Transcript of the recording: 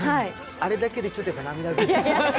あれだけでちょっと涙ぐんだよ。